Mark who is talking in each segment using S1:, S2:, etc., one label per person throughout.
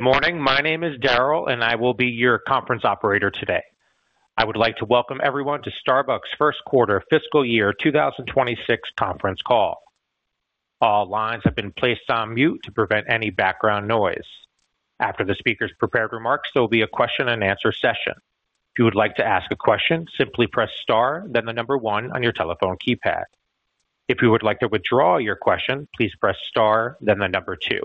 S1: Good morning. My name is Daryl, and I will be your conference operator today. I would like to welcome everyone to Starbucks' first quarter fiscal year 2026 conference call. All lines have been placed on mute to prevent any background noise. After the speaker's prepared remarks, there will be a question-and-answer session. If you would like to ask a question, simply press star, then the number 1 on your telephone keypad. If you would like to withdraw your question, please press star, then the number 2.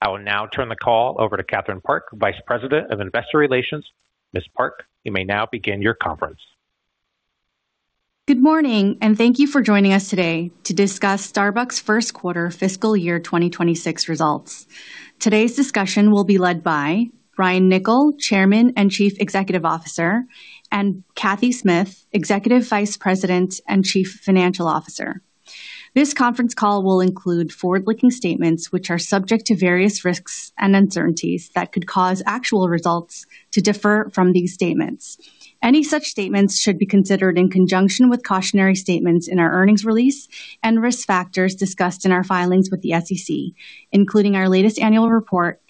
S1: I will now turn the call over to Catherine Park, Vice President of Investor Relations. Ms. Park, you may now begin your conference.
S2: Good morning, and thank you for joining us today to discuss Starbucks' first quarter fiscal year 2026 results. Today's discussion will be led by Brian Niccol, Chairman and Chief Executive Officer, and Cathy Smith, Executive Vice President and Chief Financial Officer. This conference call will include forward-looking statements, which are subject to various risks and uncertainties that could cause actual results to differ from these statements. Any such statements should be considered in conjunction with cautionary statements in our earnings release and risk factors discussed in our filings with the SEC, including our latest annual report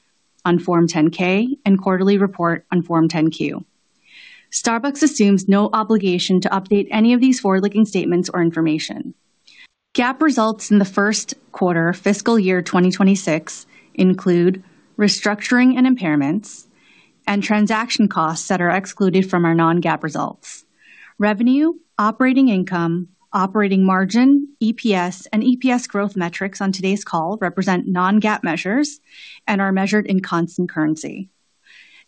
S2: on Form 10-K and quarterly report on Form 10-Q. Starbucks assumes no obligation to update any of these forward-looking statements or information. GAAP results in the first quarter fiscal year 2026 include restructuring and impairments and transaction costs that are excluded from our non-GAAP results. Revenue, operating income, operating margin, EPS, and EPS growth metrics on today's call represent non-GAAP measures and are measured in constant currency.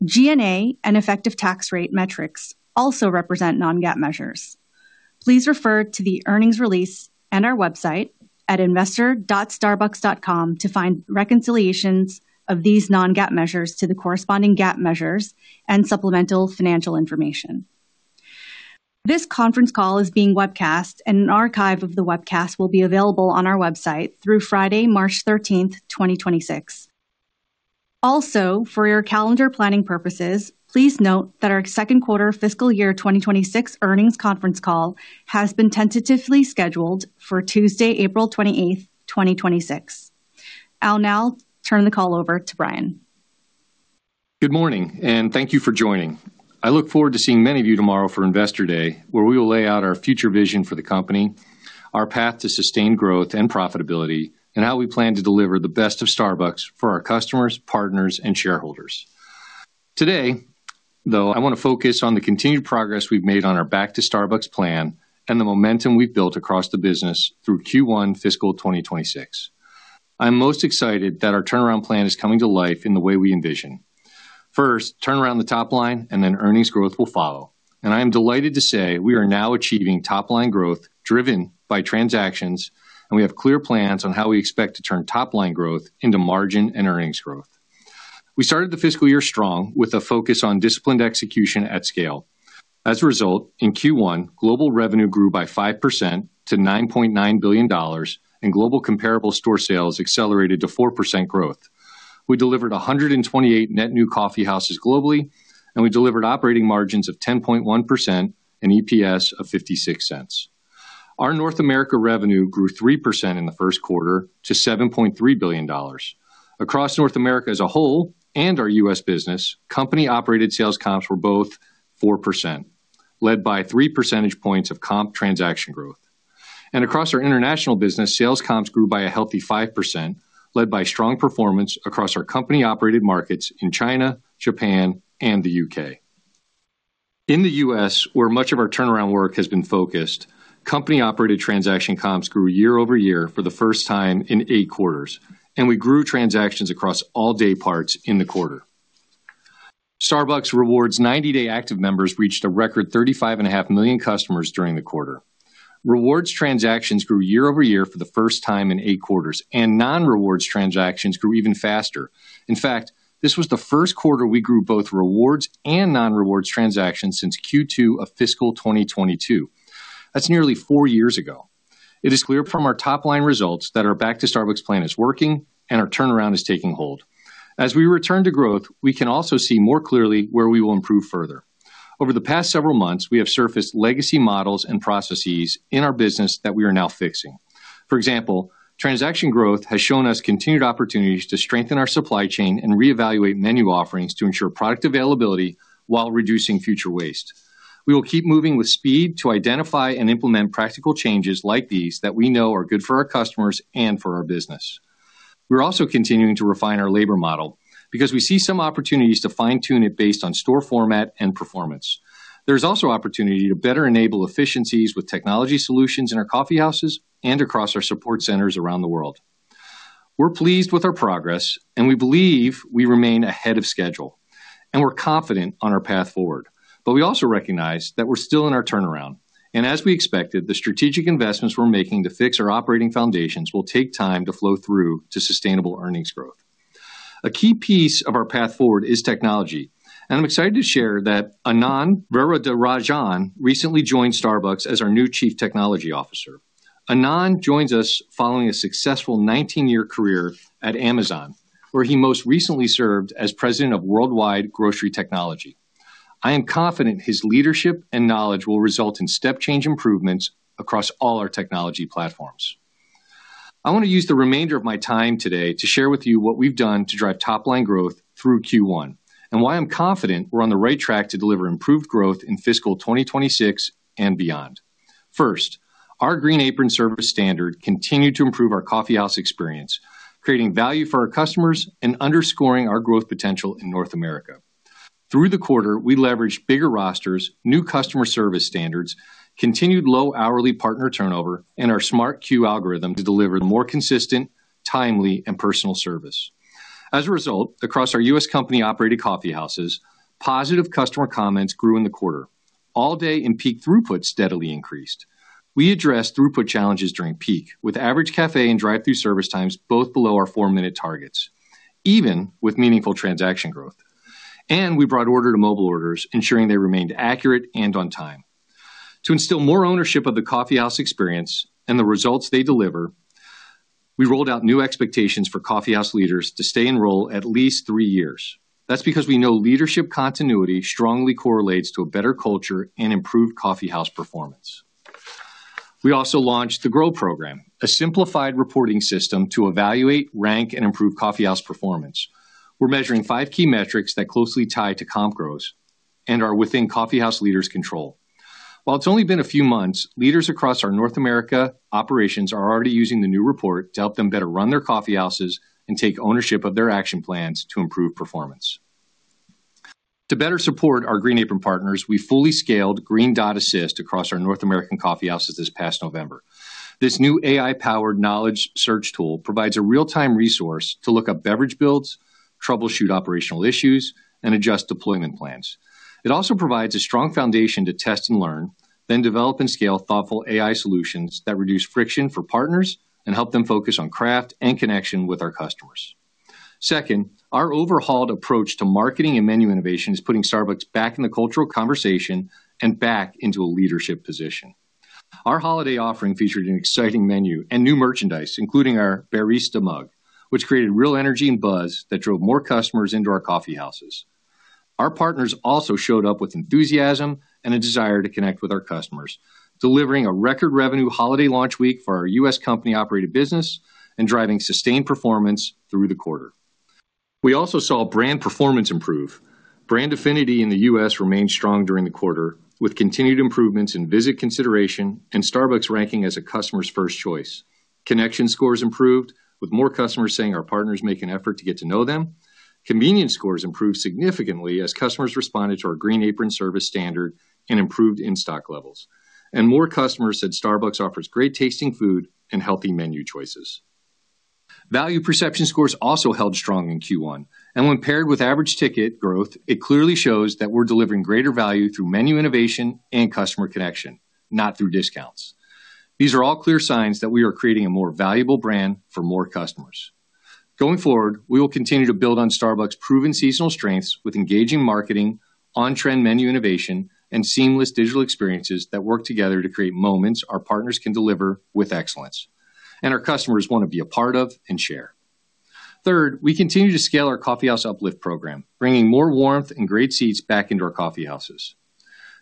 S2: G&A and effective tax rate metrics also represent non-GAAP measures. Please refer to the earnings release and our website at investor.starbucks.com to find reconciliations of these non-GAAP measures to the corresponding GAAP measures and supplemental financial information. This conference call is being webcast, and an archive of the webcast will be available on our website through Friday, March 13, 2026. Also, for your calendar planning purposes, please note that our second quarter fiscal year 2026 earnings conference call has been tentatively scheduled for Tuesday, April 28, 2026. I'll now turn the call over to Brian.
S3: Good morning, and thank you for joining. I look forward to seeing many of you tomorrow for Investor Day, where we will lay out our future vision for the company, our path to sustained growth and profitability, and how we plan to deliver the best of Starbucks for our customers, partners, and shareholders. Today, though, I want to focus on the continued progress we've made on our Back to Starbucks plan and the momentum we've built across the business through Q1 fiscal 2026. I'm most excited that our turnaround plan is coming to life in the way we envision. First, turn around the top line, and then earnings growth will follow. And I am delighted to say we are now achieving top-line growth driven by transactions, and we have clear plans on how we expect to turn top-line growth into margin and earnings growth. We started the fiscal year strong with a focus on disciplined execution at scale. As a result, in Q1, global revenue grew by 5% to $9.9 billion, and global comparable store sales accelerated to 4% growth. We delivered 128 net new coffee houses globally, and we delivered operating margins of 10.1% and EPS of $0.56. Our North America revenue grew 3% in the first quarter to $7.3 billion. Across North America as a whole, and our U.S. business, company-operated sales comps were both 4%, led by 3 percentage points of comp transaction growth. And across our international business, sales comps grew by a healthy 5%, led by strong performance across our company-operated markets in China, Japan, and the U.K. In the U.S., where much of our turnaround work has been focused, company-operated transaction comps grew year over year for the first time in eight quarters, and we grew transactions across all day parts in the quarter. Starbucks Rewards' 90-day active members reached a record 35.5 million customers during the quarter. Rewards transactions grew year over year for the first time in eight quarters, and non-rewards transactions grew even faster. In fact, this was the first quarter we grew both rewards and non-rewards transactions since Q2 of fiscal 2022. That's nearly four years ago. It is clear from our top-line results that our Back to Starbucks plan is working and our turnaround is taking hold. As we return to growth, we can also see more clearly where we will improve further. Over the past several months, we have surfaced legacy models and processes in our business that we are now fixing. For example, transaction growth has shown us continued opportunities to strengthen our supply chain and reevaluate menu offerings to ensure product availability while reducing future waste. We will keep moving with speed to identify and implement practical changes like these that we know are good for our customers and for our business. We're also continuing to refine our labor model because we see some opportunities to fine-tune it based on store format and performance. There's also opportunity to better enable efficiencies with technology solutions in our coffee houses and across our support centers around the world. We're pleased with our progress, and we believe we remain ahead of schedule, and we're confident on our path forward. But we also recognize that we're still in our turnaround, and as we expected, the strategic investments we're making to fix our operating foundations will take time to flow through to sustainable earnings growth. A key piece of our path forward is technology, and I'm excited to share that Anand Varadarajan recently joined Starbucks as our new Chief Technology Officer. Anand joins us following a successful 19-year career at Amazon, where he most recently served as President of Worldwide Grocery Technology. I am confident his leadership and knowledge will result in step change improvements across all our technology platforms. I want to use the remainder of my time today to share with you what we've done to drive top-line growth through Q1, and why I'm confident we're on the right track to deliver improved growth in fiscal 2026 and beyond. First, our Green Apron Service standard continued to improve our coffeehouse experience, creating value for our customers and underscoring our growth potential in North America. Through the quarter, we leveraged bigger rosters, new customer service standards, continued low hourly partner turnover, and our Smart Queue algorithm to deliver more consistent, timely, and personal service. As a result, across our U.S. company-operated coffeehouses, positive customer comments grew in the quarter. All day and peak throughput steadily increased. We addressed throughput challenges during peak, with average cafe and drive-thru service times both below our four-minute targets, even with meaningful transaction growth. We brought order to mobile orders, ensuring they remained accurate and on time. To instill more ownership of the coffeehouse experience and the results they deliver, we rolled out new expectations for coffeehouse leaders to stay in role at least three years. That's because we know leadership continuity strongly correlates to a better culture and improved coffeehouse performance. We also launched the Grow program, a simplified reporting system to evaluate, rank, and improve coffeehouse performance. We're measuring five key metrics that closely tie to comp growth and are within coffeehouse leaders' control. While it's only been a few months, leaders across our North America operations are already using the new report to help them better run their coffeehouses and take ownership of their action plans to improve performance. To better support our Green Apron partners, we fully scaled Green Dot Assist across our North American coffeehouses this past November. This new AI-powered knowledge search tool provides a real-time resource to look up beverage builds, troubleshoot operational issues, and adjust deployment plans. It also provides a strong foundation to test and learn, then develop and scale thoughtful AI solutions that reduce friction for partners and help them focus on craft and connection with our customers. Second, our overhauled approach to marketing and menu innovation is putting Starbucks back in the cultural conversation and back into a leadership position. Our holiday offering featured an exciting menu and new merchandise, including our Barista Mug, which created real energy and buzz that drove more customers into our coffeehouses. Our partners also showed up with enthusiasm and a desire to connect with our customers, delivering a record revenue holiday launch week for our U.S. company-operated business and driving sustained performance through the quarter. We also saw brand performance improve. Brand affinity in the U.S. remained strong during the quarter, with continued improvements in visit consideration and Starbucks ranking as a customer's first choice. Connection scores improved, with more customers saying our partners make an effort to get to know them. Convenience scores improved significantly as customers responded to our Green Apron Service standard and improved in-stock levels. More customers said Starbucks offers great-tasting food and healthy menu choices. Value perception scores also held strong in Q1, and when paired with average ticket growth, it clearly shows that we're delivering greater value through menu innovation and customer connection, not through discounts. These are all clear signs that we are creating a more valuable brand for more customers. Going forward, we will continue to build on Starbucks' proven seasonal strengths with engaging marketing, on-trend menu innovation, and seamless digital experiences that work together to create moments our partners can deliver with excellence, and our customers want to be a part of and share. Third, we continue to scale our Coffeehouse Uplift program, bringing more warmth and great seats back into our coffeehouses.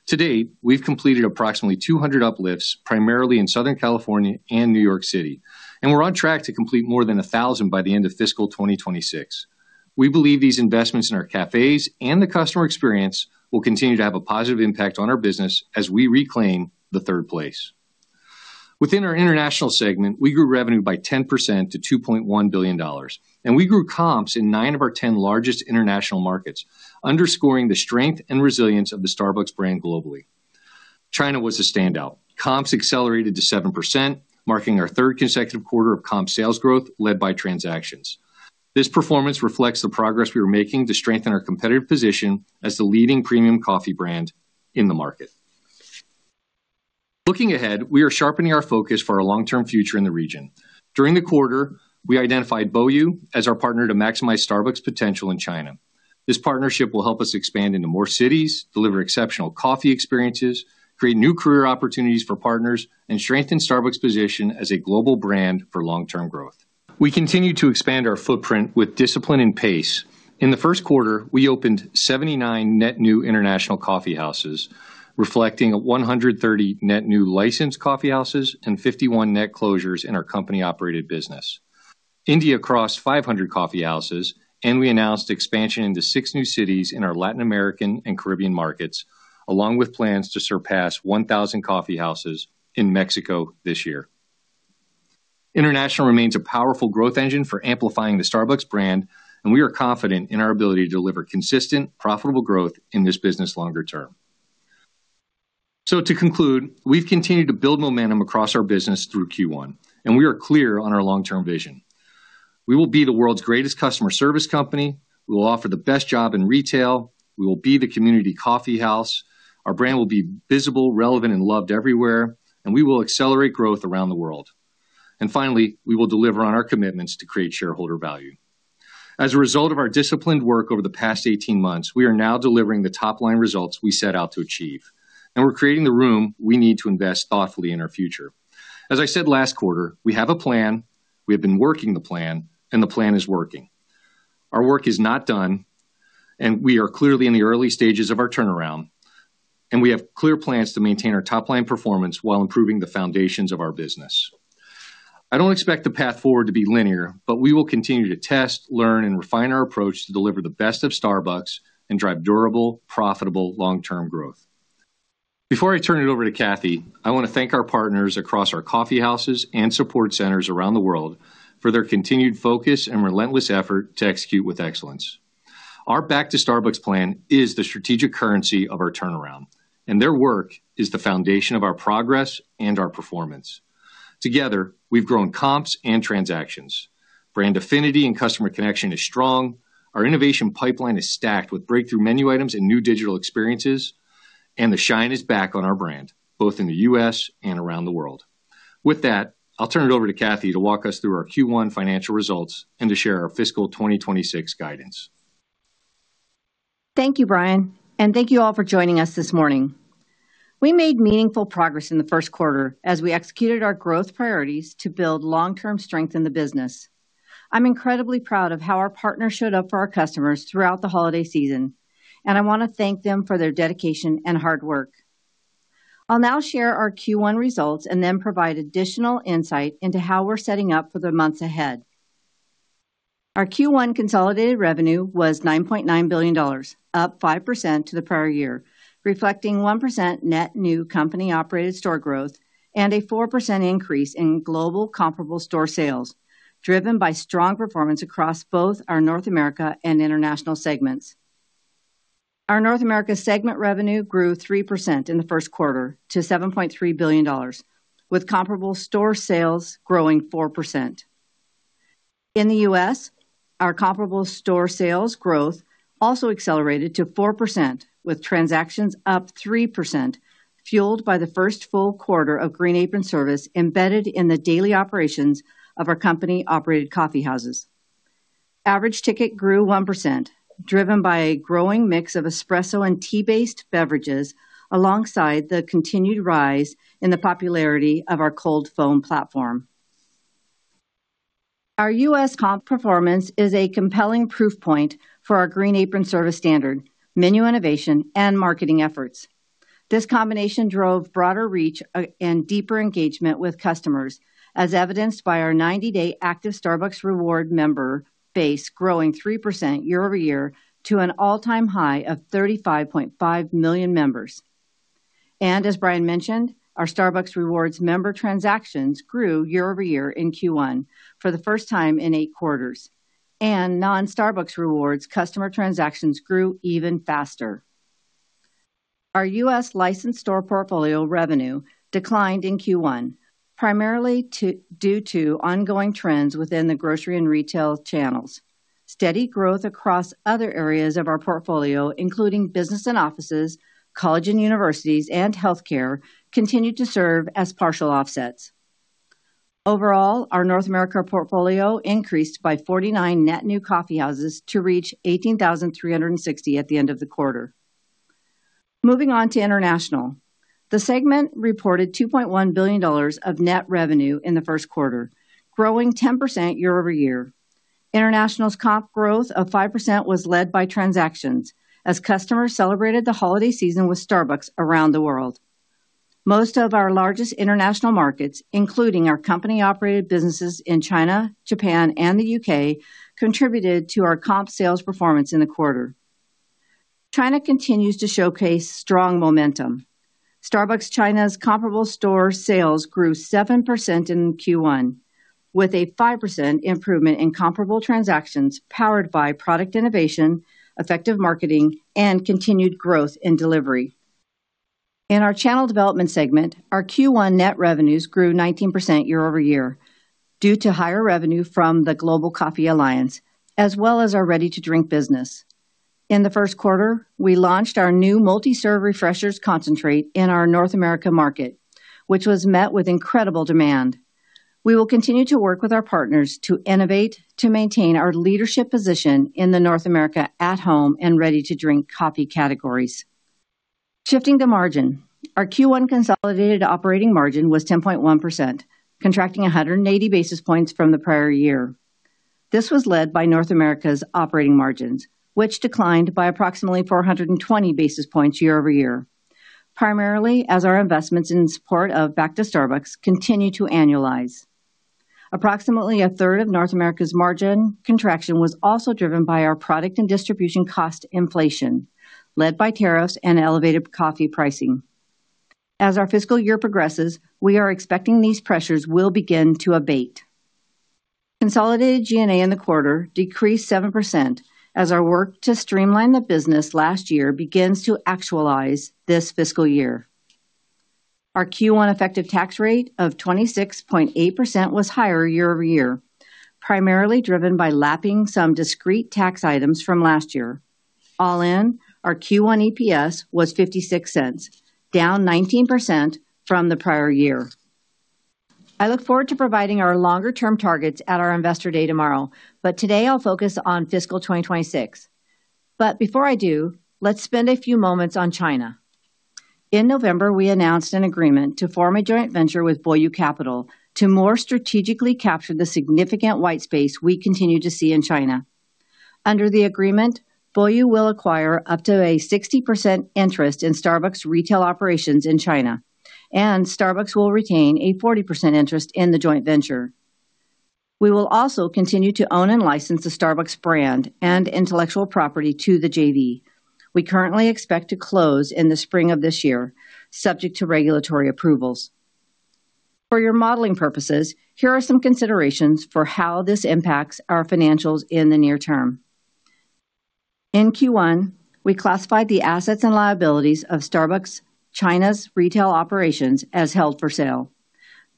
S3: To date, we've completed approximately 200 uplifts, primarily in Southern California and New York City, and we're on track to complete more than 1,000 by the end of fiscal 2026. We believe these investments in our cafes and the customer experience will continue to have a positive impact on our business as we reclaim the third place. Within our international segment, we grew revenue by 10% to $2.1 billion, and we grew comps in nine of our 10 largest international markets, underscoring the strength and resilience of the Starbucks brand globally. China was a standout. Comps accelerated to 7%, marking our third consecutive quarter of comp sales growth led by transactions. This performance reflects the progress we are making to strengthen our competitive position as the leading premium coffee brand in the market. Looking ahead, we are sharpening our focus for our long-term future in the region. During the quarter, we identified Boyu as our partner to maximize Starbucks' potential in China. This partnership will help us expand into more cities, deliver exceptional coffee experiences, create new career opportunities for partners, and strengthen Starbucks' position as a global brand for long-term growth. We continue to expand our footprint with discipline and pace. In the first quarter, we opened 79 net new international coffeehouses, reflecting a 130 net new licensed coffeehouses and 51 net closures in our company-operated business. India crossed 500 coffeehouses, and we announced expansion into six new cities in our Latin America and Caribbean markets, along with plans to surpass 1,000 coffeehouses in Mexico this year. International remains a powerful growth engine for amplifying the Starbucks brand, and we are confident in our ability to deliver consistent, profitable growth in this business longer term. So to conclude, we've continued to build momentum across our business through Q1, and we are clear on our long-term vision. We will be the world's greatest customer service company. We will offer the best job in retail. We will be the community coffeehouse. Our brand will be visible, relevant, and loved everywhere, and we will accelerate growth around the world. And finally, we will deliver on our commitments to create shareholder value. As a result of our disciplined work over the past 18 months, we are now delivering the top-line results we set out to achieve, and we're creating the room we need to invest thoughtfully in our future. As I said last quarter, we have a plan, we have been working the plan, and the plan is working. Our work is not done, and we are clearly in the early stages of our turnaround, and we have clear plans to maintain our top-line performance while improving the foundations of our business. I don't expect the path forward to be linear, but we will continue to test, learn, and refine our approach to deliver the best of Starbucks and drive durable, profitable, long-term growth. Before I turn it over to Cathy, I want to thank our partners across our coffee houses and support centers around the world for their continued focus and relentless effort to execute with excellence. Our Back to Starbucks plan is the strategic currency of our turnaround, and their work is the foundation of our progress and our performance. Together, we've grown comps and transactions. Brand affinity and customer connection is strong. Our innovation pipeline is stacked with breakthrough menu items and new digital experiences, and the shine is back on our brand, both in the U.S. and around the world. With that, I'll turn it over to Cathy to walk us through our Q1 financial results and to share our fiscal 2026 guidance.
S4: Thank you, Brian, and thank you all for joining us this morning. We made meaningful progress in the first quarter as we executed our growth priorities to build long-term strength in the business. I'm incredibly proud of how our partners showed up for our customers throughout the holiday season, and I want to thank them for their dedication and hard work. I'll now share our Q1 results and then provide additional insight into how we're setting up for the months ahead. Our Q1 consolidated revenue was $9.9 billion, up 5% to the prior year, reflecting 1% net new company-operated store growth and a 4% increase in global comparable store sales, driven by strong performance across both our North America and international segments. Our North America segment revenue grew 3% in the first quarter to $7.3 billion, with Comparable Store Sales growing 4%. In the US, our Comparable Store Sales growth also accelerated to 4%, with transactions up 3%, fueled by the first full quarter of Green Apron Service embedded in the daily operations of our company-operated coffee houses. Average ticket grew 1%, driven by a growing mix of espresso and tea-based beverages, alongside the continued rise in the popularity of our Cold Foam platform. Our US comp performance is a compelling proof point for our Green Apron Service standard, menu innovation, and marketing efforts. This combination drove broader reach, and deeper engagement with customers, as evidenced by our ninety-day active Starbucks Rewards member base growing 3% year-over-year to an all-time high of 35.5 million members. As Brian mentioned, our Starbucks Rewards member transactions grew year-over-year in Q1 for the first time in 8 quarters, and non-Starbucks Rewards customer transactions grew even faster. Our U.S. licensed store portfolio revenue declined in Q1, primarily due to ongoing trends within the grocery and retail channels. Steady growth across other areas of our portfolio, including business and offices, college and universities, and healthcare, continued to serve as partial offsets. Overall, our North America portfolio increased by 49 net new coffeehouses to reach 18,360 at the end of the quarter. Moving on to International. The segment reported $2.1 billion of net revenue in the first quarter, growing 10% year-over-year. International's comp growth of 5% was led by transactions, as customers celebrated the holiday season with Starbucks around the world. Most of our largest international markets, including our company-operated businesses in China, Japan, and the U.K., contributed to our comp sales performance in the quarter. China continues to showcase strong momentum. Starbucks China's comparable store sales grew 7% in Q1, with a 5% improvement in comparable transactions, powered by product innovation, effective marketing, and continued growth in delivery. In our channel development segment, our Q1 net revenues grew 19% year-over-year due to higher revenue from the Global Coffee Alliance, as well as our ready-to-drink business. In the first quarter, we launched our new multi-serve Refreshers concentrate in our North America market, which was met with incredible demand. We will continue to work with our partners to innovate, to maintain our leadership position in the North America at home and ready to drink coffee categories. Shifting to margin. Our Q1 consolidated operating margin was 10.1%, contracting 180 basis points from the prior year. This was led by North America's operating margins, which declined by approximately 420 basis points year-over-year, primarily as our investments in support of Back to Starbucks continued to annualize. Approximately a third of North America's margin contraction was also driven by our product and distribution cost inflation, led by tariffs and elevated coffee pricing. As our fiscal year progresses, we are expecting these pressures will begin to abate. Consolidated G&A in the quarter decreased 7%, as our work to streamline the business last year begins to actualize this fiscal year. Our Q1 effective tax rate of 26.8% was higher year-over-year, primarily driven by lapping some discrete tax items from last year. All in, our Q1 EPS was $0.56, down 19% from the prior year. I look forward to providing our longer-term targets at our Investor Day tomorrow, but today I'll focus on fiscal 2026. But before I do, let's spend a few moments on China. In November, we announced an agreement to form a joint venture with Boyu Capital to more strategically capture the significant white space we continue to see in China. Under the agreement, Boyu will acquire up to a 60% interest in Starbucks' retail operations in China, and Starbucks will retain a 40% interest in the joint venture. We will also continue to own and license the Starbucks brand and intellectual property to the JV. We currently expect to close in the spring of this year, subject to regulatory approvals. For your modeling purposes, here are some considerations for how this impacts our financials in the near term. In Q1, we classified the assets and liabilities of Starbucks China's retail operations as held for sale.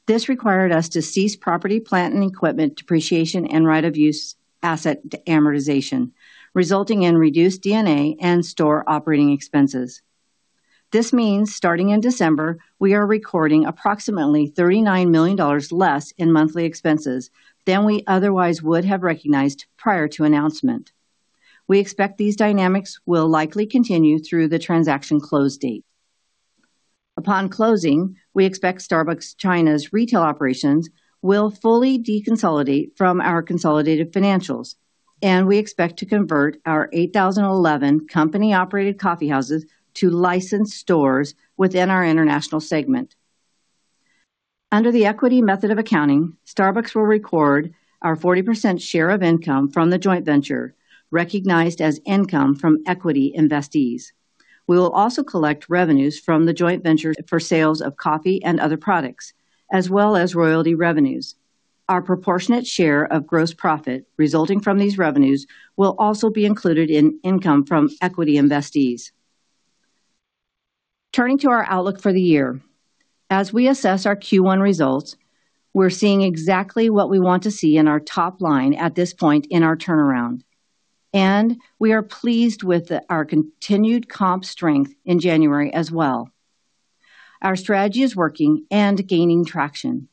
S4: This required us to cease property, plant, and equipment depreciation and right of use asset amortization, resulting in reduced D&A and store operating expenses. This means starting in December, we are recording approximately $39 million less in monthly expenses than we otherwise would have recognized prior to announcement. We expect these dynamics will likely continue through the transaction close date. Upon closing, we expect Starbucks China's retail operations will fully deconsolidate from our consolidated financials, and we expect to convert our 8,011 company-operated coffee houses to licensed stores within our international segment. Under the equity method of accounting, Starbucks will record our 40% share of income from the joint venture, recognized as income from equity investees. We will also collect revenues from the joint venture for sales of coffee and other products, as well as royalty revenues. Our proportionate share of gross profit resulting from these revenues will also be included in income from equity investees. Turning to our outlook for the year. As we assess our Q1 results, we're seeing exactly what we want to see in our top line at this point in our turnaround, and we are pleased with our continued comp strength in January as well. Our strategy is working and gaining traction.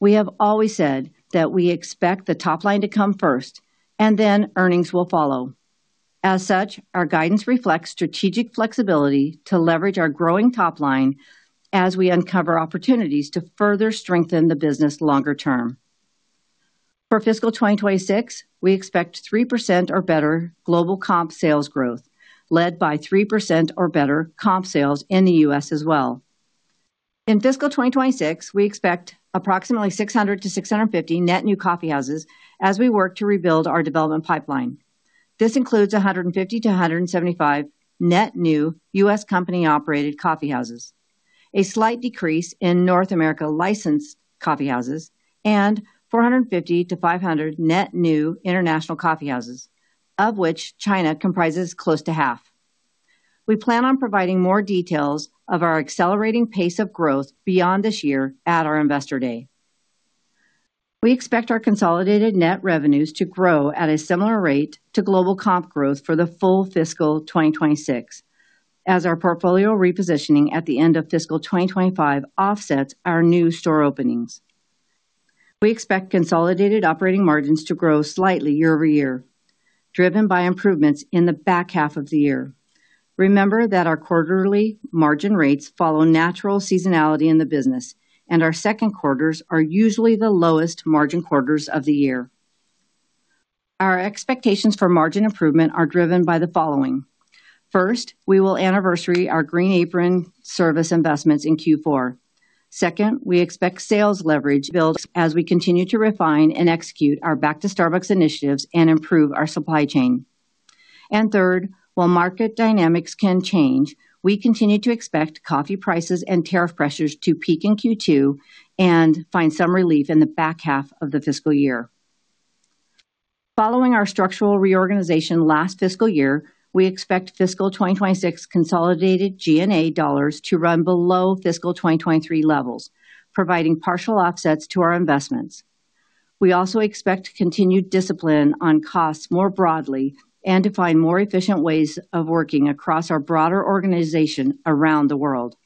S4: We have always said that we expect the top line to come first, and then earnings will follow. As such, our guidance reflects strategic flexibility to leverage our growing top line as we uncover opportunities to further strengthen the business longer term. For fiscal 2026, we expect 3% or better global comp sales growth, led by 3% or better comp sales in the US as well. In fiscal 2026, we expect approximately 600-650 net new coffeehouses as we work to rebuild our development pipeline. This includes 150-175 net new US company-operated coffeehouses, a slight decrease in North America licensed coffeehouses, and 450-500 net new international coffeehouses, of which China comprises close to half. We plan on providing more details of our accelerating pace of growth beyond this year at our Investor Day. We expect our consolidated net revenues to grow at a similar rate to global comp growth for the full fiscal 2026, as our portfolio repositioning at the end of fiscal 2025 offsets our new store openings. We expect consolidated operating margins to grow slightly year-over-year, driven by improvements in the back half of the year. Remember that our quarterly margin rates follow natural seasonality in the business, and our second quarters are usually the lowest margin quarters of the year. Our expectations for margin improvement are driven by the following: First, we will anniversary our Green Apron Service investments in Q4. Second, we expect sales leverage build as we continue to refine and execute our Back to Starbucks initiatives and improve our supply chain. And third, while market dynamics can change, we continue to expect coffee prices and tariff pressures to peak in Q2 and find some relief in the back half of the fiscal year. Following our structural reorganization last fiscal year, we expect fiscal 2026 consolidated G&A dollars to run below fiscal 2023 levels, providing partial offsets to our investments. We also expect continued discipline on costs more broadly and to find more efficient ways of working across our broader organization around the world.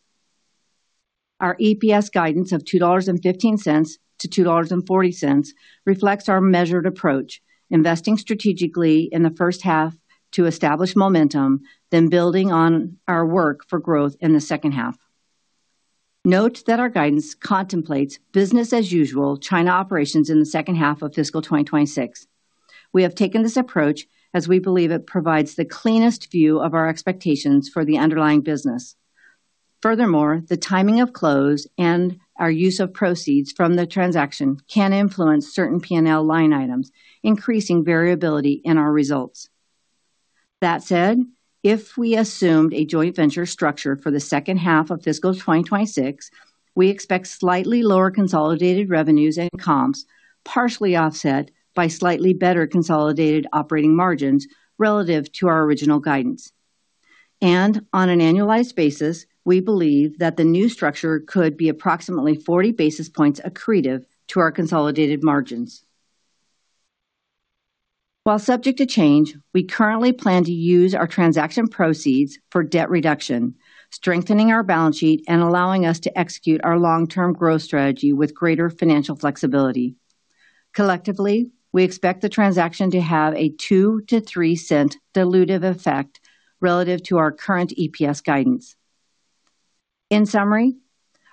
S4: Our EPS guidance of $2.15-$2.40 reflects our measured approach, investing strategically in the first half to establish momentum, then building on our work for growth in the second half. Note that our guidance contemplates business as usual China operations in the second half of fiscal 2026. We have taken this approach as we believe it provides the cleanest view of our expectations for the underlying business. Furthermore, the timing of close and our use of proceeds from the transaction can influence certain P&L line items, increasing variability in our results. That said, if we assumed a joint venture structure for the second half of fiscal 2026, we expect slightly lower consolidated revenues and comps, partially offset by slightly better consolidated operating margins relative to our original guidance. And on an annualized basis, we believe that the new structure could be approximately 40 basis points accretive to our consolidated margins. While subject to change, we currently plan to use our transaction proceeds for debt reduction, strengthening our balance sheet, and allowing us to execute our long-term growth strategy with greater financial flexibility. Collectively, we expect the transaction to have a $0.02-$0.03 dilutive effect relative to our current EPS guidance. In summary,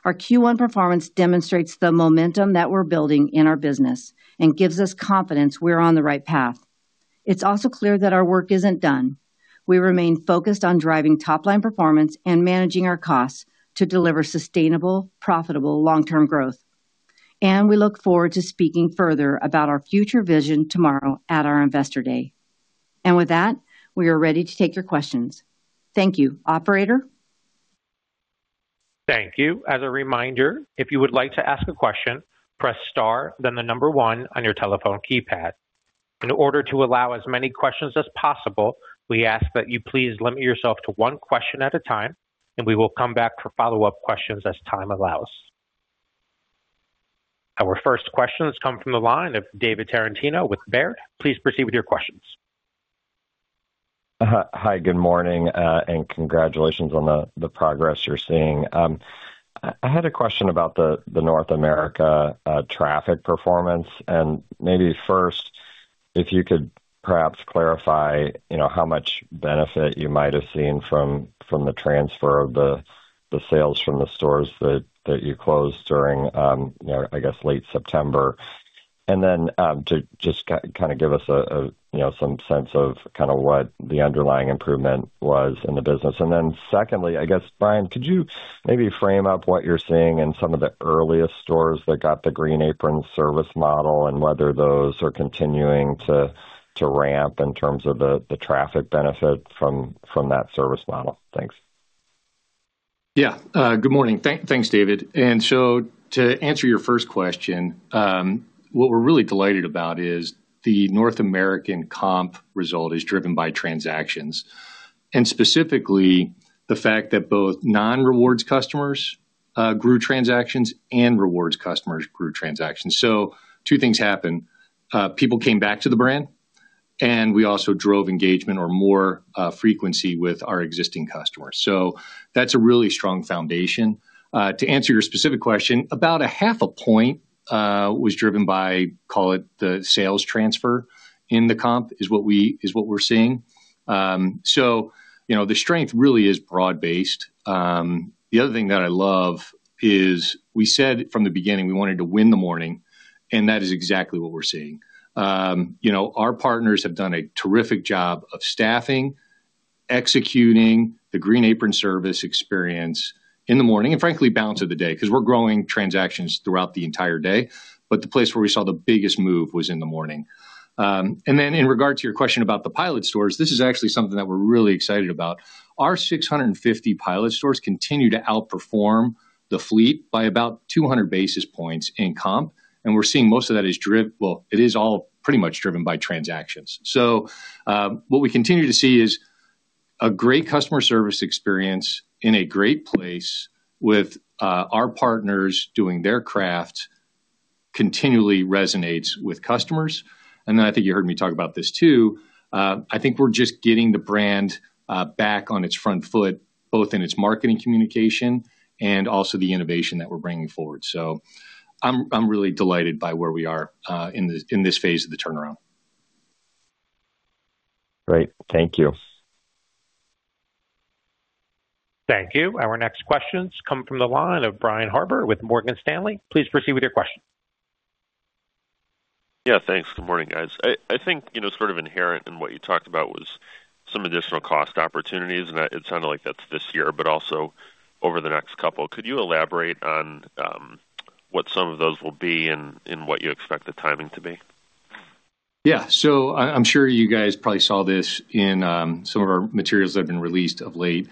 S4: our Q1 performance demonstrates the momentum that we're building in our business and gives us confidence we're on the right path. It's also clear that our work isn't done. We remain focused on driving top-line performance and managing our costs to deliver sustainable, profitable long-term growth. We look forward to speaking further about our future vision tomorrow at our Investor Day. With that, we are ready to take your questions. Thank you. Operator?
S1: Thank you. As a reminder, if you would like to ask a question, press star, then the number 1 on your telephone keypad. In order to allow as many questions as possible, we ask that you please limit yourself to one question at a time, and we will come back for follow-up questions as time allows. Our first questions come from the line of David Tarantino with Baird. Please proceed with your questions.
S5: Hi, good morning, and congratulations on the progress you're seeing. I had a question about the North America traffic performance, and maybe first, if you could perhaps clarify, you know, how much benefit you might have seen from the transfer of the sales from the stores that you closed during, you know, I guess, late September. And then, to just kind of give us a, you know, some sense of kind of what the underlying improvement was in the business. And then secondly, I guess, Brian, could you maybe frame up what you're seeing in some of the earliest stores that got the Green Apron Service model and whether those are continuing to ramp in terms of the traffic benefit from that service model? Thanks.
S3: Yeah, good morning. Thanks, David. And so to answer your first question, what we're really delighted about is the North America comp result is driven by transactions, and specifically, the fact that both non-Rewards customers grew transactions and Rewards customers grew transactions. So two things happened, people came back to the brand, and we also drove engagement or more frequency with our existing customers. So that's a really strong foundation. To answer your specific question, about 0.5 point was driven by, call it, the sales transfer in the comp, is what we're seeing. So, you know, the strength really is broad-based. The other thing that I love is we said from the beginning, we wanted to win the morning, and that is exactly what we're seeing. You know, our partners have done a terrific job of staffing, executing the Green Apron Service experience in the morning and frankly, balance of the day, because we're growing transactions throughout the entire day, but the place where we saw the biggest move was in the morning. And then in regard to your question about the pilot stores, this is actually something that we're really excited about. Our 650 pilot stores continue to outperform the fleet by about 200 basis points in comp, and we're seeing most of that is well, it is all pretty much driven by transactions. So, what we continue to see is a great customer service experience in a great place with, our partners doing their craft, continually resonates with customers. And then I think you heard me talk about this, too. I think we're just getting the brand back on its front foot, both in its marketing communication and also the innovation that we're bringing forward. So I'm really delighted by where we are in this phase of the turnaround.
S5: Great. Thank you.
S1: Thank you. Our next questions come from the line of Brian Harbour with Morgan Stanley. Please proceed with your question.
S6: Yeah, thanks. Good morning, guys. I think, you know, sort of inherent in what you talked about was some additional cost opportunities, and it sounded like that's this year, but also over the next couple. Could you elaborate on what some of those will be and what you expect the timing to be?
S3: Yeah. So I, I'm sure you guys probably saw this in, some of our materials that have been released of late.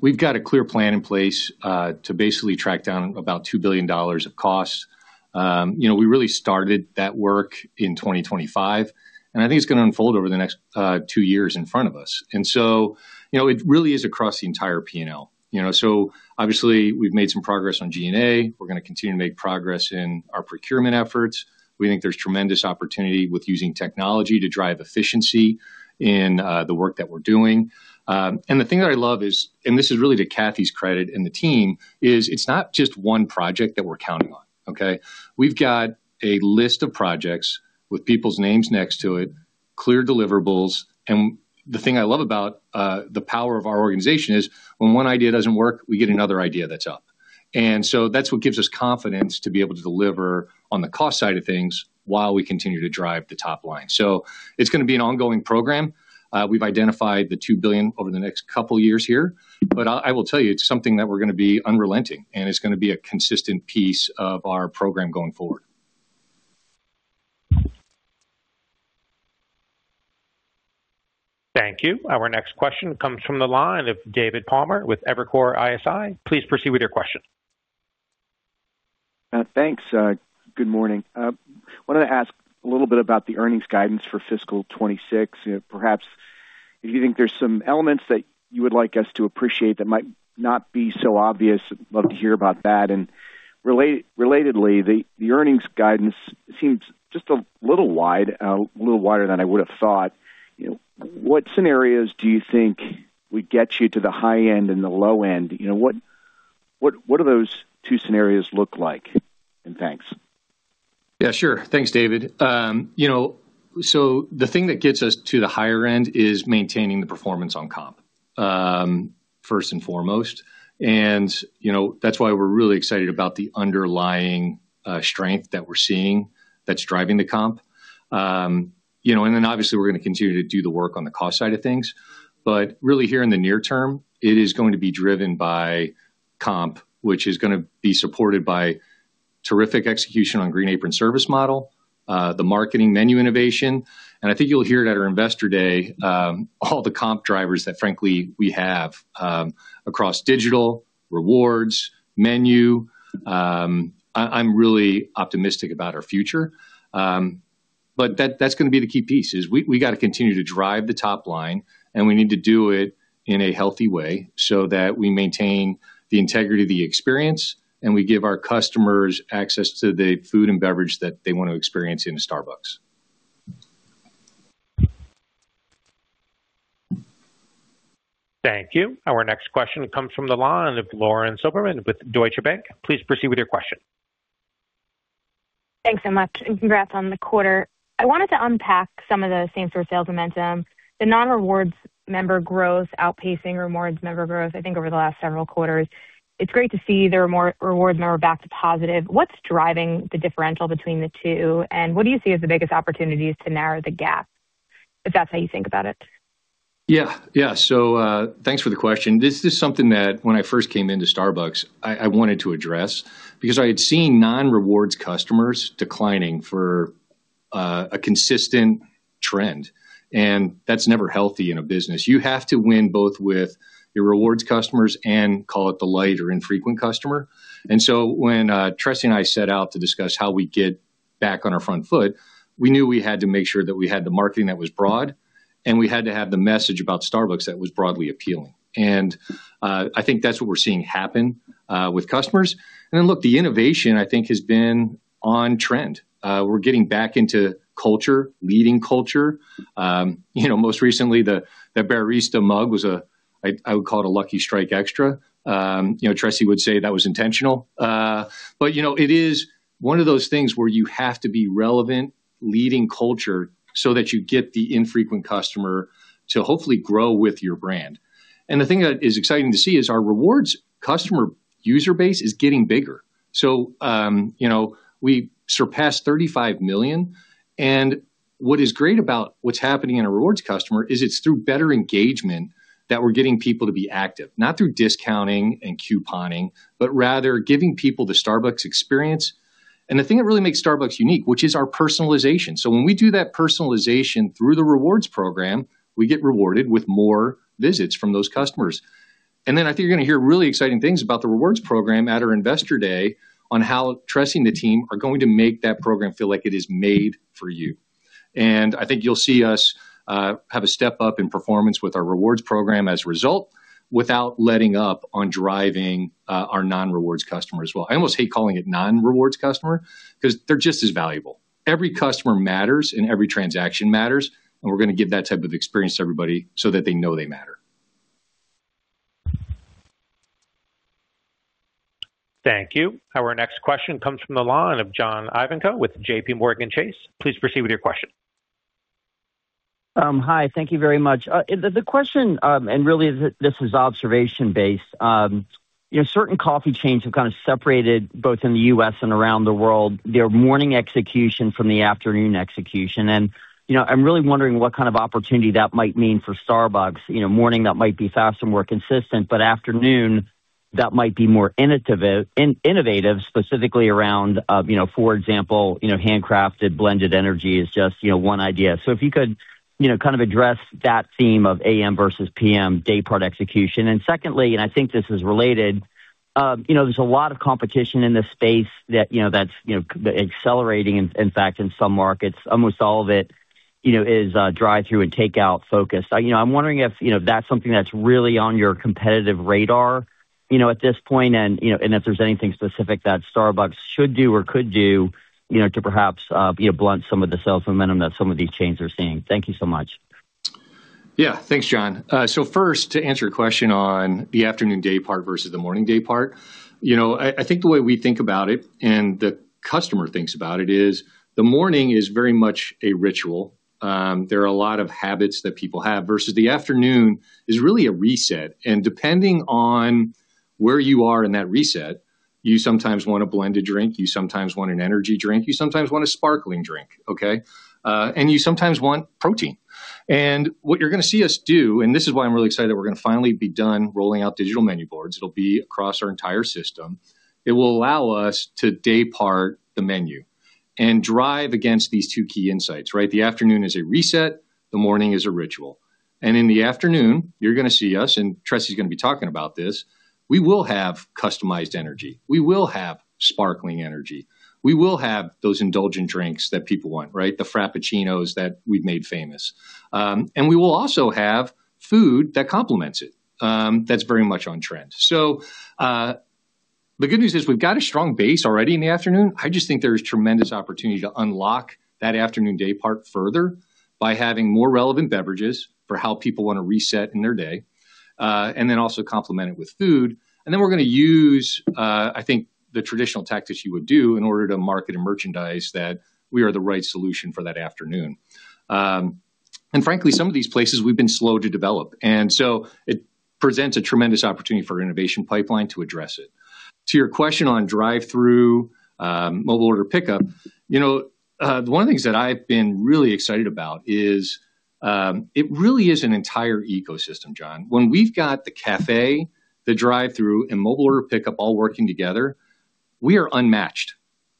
S3: We've got a clear plan in place, to basically track down about $2 billion of costs. You know, we really started that work in 2025, and I think it's going to unfold over the next, two years in front of us. And so, you know, it really is across the entire P&L. You know, so obviously, we've made some progress on G&A. We're going to continue to make progress in our procurement efforts. We think there's tremendous opportunity with using technology to drive efficiency in, the work that we're doing. And the thing that I love is, and this is really to Cathy's credit and the team, is it's not just one project that we're counting on, okay? We've got a list of projects with people's names next to it, clear deliverables, and the thing I love about the power of our organization is, when one idea doesn't work, we get another idea that's up. And so that's what gives us confidence to be able to deliver on the cost side of things while we continue to drive the top line. So it's going to be an ongoing program. We've identified the $2 billion over the next couple of years here, but I will tell you, it's something that we're going to be unrelenting, and it's going to be a consistent piece of our program going forward.
S1: Thank you. Our next question comes from the line of David Palmer with Evercore ISI. Please proceed with your question.
S7: Thanks. Good morning. Wanted to ask a little bit about the earnings guidance for fiscal 2026. Perhaps if you think there's some elements that you would like us to appreciate that might not be so obvious, I'd love to hear about that. Relatedly, the earnings guidance seems just a little wider than I would have thought. You know, what scenarios do you think would get you to the high end and the low end? You know, what do those two scenarios look like? And thanks.
S3: Yeah, sure. Thanks, David. You know, so the thing that gets us to the higher end is maintaining the performance on comp, first and foremost. And, you know, that's why we're really excited about the underlying strength that we're seeing that's driving the comp. You know, and then obviously, we're going to continue to do the work on the cost side of things, but really here in the near term, it is going to be driven by comp, which is going to be supported by terrific execution on Green Apron Service model, the marketing menu innovation. And I think you'll hear it at our Investor Day, all the comp drivers that frankly we have, across digital, rewards, menu, I'm really optimistic about our future. But that, that's going to be the key piece, is we got to continue to drive the top line, and we need to do it in a healthy way so that we maintain the integrity of the experience, and we give our customers access to the food and beverage that they want to experience in Starbucks.
S1: Thank you. Our next question comes from the line of Lauren Silberman with Deutsche Bank. Please proceed with your question.
S8: Thanks so much, and congrats on the quarter. I wanted to unpack some of the same-store sales momentum, the non-rewards member growth outpacing rewards member growth, I think, over the last several quarters. It's great to see the rewards member back to positive. What's driving the differential between the two, and what do you see as the biggest opportunities to narrow the gap, if that's how you think about it?
S3: Yeah. Yeah. So, thanks for the question. This is something that when I first came into Starbucks, I, I wanted to address, because I had seen non-rewards customers declining for a consistent trend, and that's never healthy in a business. You have to win both with your rewards customers and call it the light or infrequent customer. And so when Tressie and I set out to discuss how we get back on our front foot, we knew we had to make sure that we had the marketing that was broad, and we had to have the message about Starbucks that was broadly appealing. And I think that's what we're seeing happen with customers. And then, look, the innovation, I think, has been on trend. We're getting back into culture, leading culture. You know, most recently, the barista mug was a... I would call it a lucky strike extra. You know, Tressie would say that was intentional. But, you know, it is one of those things where you have to be relevant, leading culture, so that you get the infrequent customer to hopefully grow with your brand. And the thing that is exciting to see is our Rewards customer user base is getting bigger. So, you know, we surpassed 35 million, and what is great about what's happening in a Rewards customer is it's through better engagement that we're getting people to be active. Not through discounting and couponing, but rather giving people the Starbucks experience. And the thing that really makes Starbucks unique, which is our personalization. So when we do that personalization through the Rewards program, we get rewarded with more visits from those customers. Then I think you're going to hear really exciting things about the rewards program at our Investor Day, on how Tressie and the team are going to make that program feel like it is made for you. I think you'll see us have a step up in performance with our rewards program as a result, without letting up on driving our non-rewards customers well. I almost hate calling it non-rewards customer, because they're just as valuable. Every customer matters, and every transaction matters, and we're going to give that type of experience to everybody so that they know they matter.
S1: Thank you. Our next question comes from the line of John Ivankoe with JPMorgan Chase. Please proceed with your question.
S9: Hi, thank you very much. The question, and really, this is observation-based, you know, certain coffee chains have kind of separated, both in the U.S. and around the world, their morning execution from the afternoon execution. And, you know, I'm really wondering what kind of opportunity that might mean for Starbucks. You know, morning, that might be faster and more consistent, but afternoon, that might be more innovative, specifically around, you know, for example, you know, handcrafted, blended energy is just, you know, one idea. So if you could, you know, kind of address that theme of AM versus PM daypart execution. And secondly, and I think this is related, you know, there's a lot of competition in this space that, you know, that's, you know, accelerating, in fact, in some markets, almost all of it, you know, is drive-through and takeout focused. You know, I'm wondering if, you know, that's something that's really on your competitive radar, you know, at this point, and, you know, and if there's anything specific that Starbucks should do or could do, you know, to perhaps, you know, blunt some of the sales momentum that some of these chains are seeing. Thank you so much.
S3: Yeah. Thanks, John. So first, to answer your question on the afternoon daypart versus the morning daypart. You know, I, I think the way we think about it and the customer thinks about it, is the morning is very much a ritual. There are a lot of habits that people have, versus the afternoon is really a reset, and depending on where you are in that reset, you sometimes want a blended drink, you sometimes want an energy drink, you sometimes want a sparkling drink, okay? And you sometimes want protein. And what you're going to see us do, and this is why I'm really excited that we're going to finally be done rolling out digital menu boards. It'll be across our entire system. It will allow us to daypart the menu and drive against these two key insights, right? The afternoon is a reset, the morning is a ritual. And in the afternoon, you're going to see us, and Tressie is going to be talking about this, we will have customized energy. We will have sparkling energy. We will have those indulgent drinks that people want, right? The Frappuccinos that we've made famous. And we will also have food that complements it. That's very much on trend. So, the good news is we've got a strong base already in the afternoon. I just think there is tremendous opportunity to unlock that afternoon day part further by having more relevant beverages for how people want to reset in their day, and then also complement it with food. And then we're going to use, I think, the traditional tactics you would do in order to market and merchandise, that we are the right solution for that afternoon. And frankly, some of these places we've been slow to develop, and so it presents a tremendous opportunity for innovation pipeline to address it. To your question on drive-through, mobile order pickup, you know, one of the things that I've been really excited about is, it really is an entire ecosystem, John. When we've got the cafe, the drive-through and mobile order pickup all working together, we are unmatched,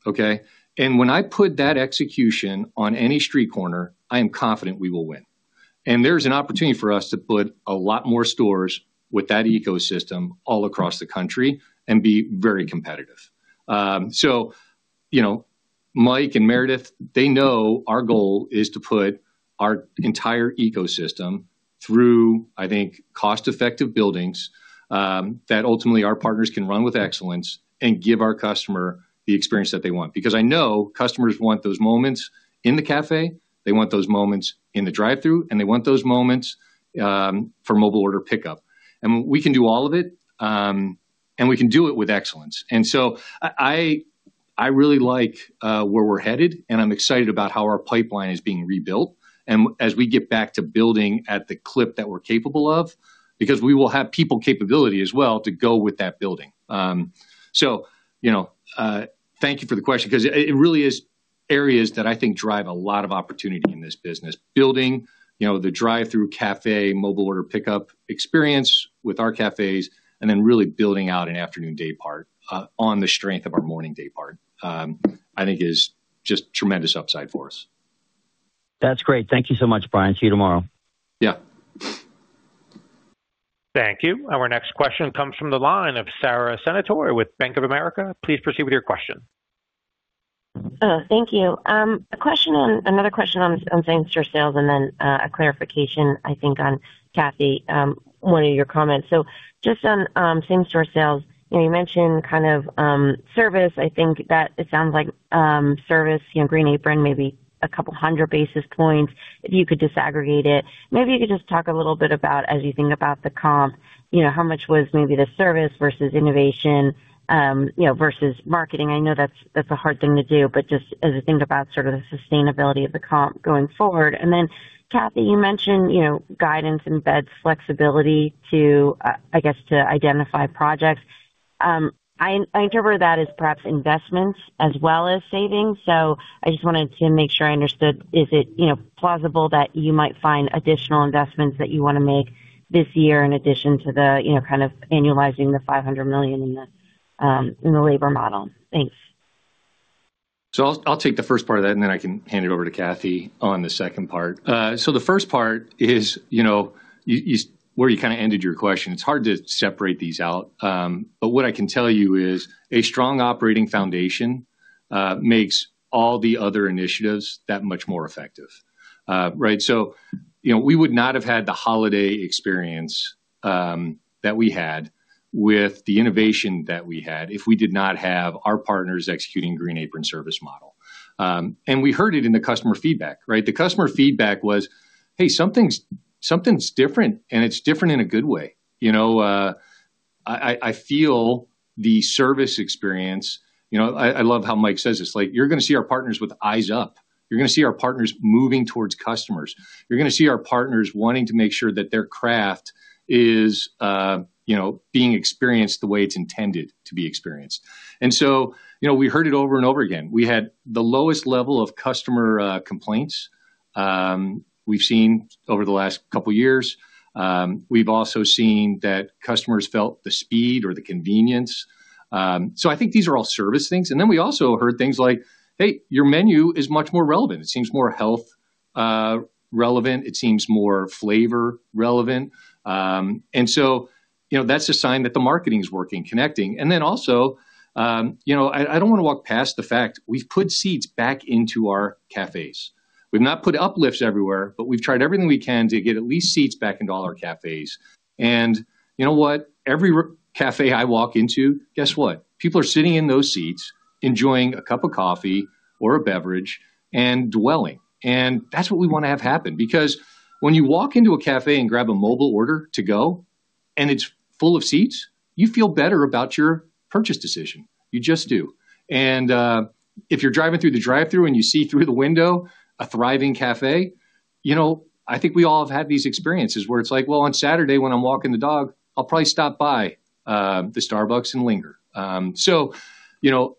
S3: okay? And when I put that execution on any street corner, I am confident we will win. And there's an opportunity for us to put a lot more stores with that ecosystem all across the country and be very competitive. So, you know, Mike and Meredith, they know our goal is to put our entire ecosystem through, I think, cost-effective buildings, that ultimately our partners can run with excellence and give our customer the experience that they want. Because I know customers want those moments in the cafe, they want those moments in the drive-through, and they want those moments, for mobile order pickup. And we can do all of it, and we can do it with excellence. And so I, I really like, where we're headed, and I'm excited about how our pipeline is being rebuilt. And as we get back to building at the clip that we're capable of, because we will have people capability as well to go with that building. So, you know, thank you for the question, because it really is areas that I think drive a lot of opportunity in this business. Building, you know, the drive-through cafe, mobile order pickup experience with our cafes, and then really building out an afternoon day part, on the strength of our morning day part, I think is just tremendous upside for us.
S9: That's great. Thank you so much, Brian. See you tomorrow.
S3: Yeah.
S1: Thank you. Our next question comes from the line of Sara Senatore with Bank of America. Please proceed with your question.
S10: Oh, thank you. A question on another question on same store sales and then a clarification, I think, on Cathy, one of your comments. So just on same store sales, you know, you mentioned kind of service. I think that it sounds like service, you know, Green Apron, maybe a couple hundred basis points, if you could disaggregate it. Maybe you could just talk a little bit about as you think about the comp, you know, how much was maybe the service versus innovation, you know, versus marketing. I know that's a hard thing to do, but just as you think about sort of the sustainability of the comp going forward. And then, Cathy, you mentioned, you know, guidance embeds flexibility to, I guess, to identify projects. I interpret that as perhaps investments as well as savings. So I just wanted to make sure I understood, is it, you know, plausible that you might find additional investments that you want to make this year in addition to the, you know, kind of annualizing the $500 million in the, in the labor model? Thanks.
S3: So I'll take the first part of that, and then I can hand it over to Cathy on the second part. So the first part is, you know, you where you kind of ended your question. It's hard to separate these out, but what I can tell you is a strong operating foundation makes all the other initiatives that much more effective. Right, so you know, we would not have had the holiday experience that we had with the innovation that we had if we did not have our partners executing Green Apron Service model. And we heard it in the customer feedback, right? The customer feedback was: Hey, something's different, and it's different in a good way. You know, I feel the service experience. You know, I love how Mike says this. Like, "You're going to see our partners with eyes up. You're going to see our partners moving towards customers. You're going to see our partners wanting to make sure that their craft is, you know, being experienced the way it's intended to be experienced." And so, you know, we heard it over and over again. We had the lowest level of customer complaints we've seen over the last couple of years. We've also seen that customers felt the speed or the convenience. So I think these are all service things. And then we also heard things like, "Hey, your menu is much more relevant. It seems more health relevant. It seems more flavor relevant." And so, you know, that's a sign that the marketing is working, connecting. And then also, you know, I don't want to walk past the fact we've put seats back into our cafes. We've not put uplifts everywhere, but we've tried everything we can to get at least seats back into all our cafes. And you know what? Every cafe I walk into, guess what? People are sitting in those seats, enjoying a cup of coffee or a beverage and dwelling. And that's what we want to have happen. Because when you walk into a cafe and grab a mobile order to go, and it's full of seats, you feel better about your purchase decision. You just do. And, if you're driving through the drive-through and you see through the window a thriving cafe, you know, I think we all have had these experiences where it's like, well, on Saturday when I'm walking the dog, I'll probably stop by the Starbucks and linger. So, you know,